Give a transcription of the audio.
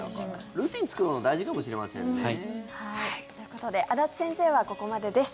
ルーチン作るの大事かもしれませんね。ということで安達先生はここまでです。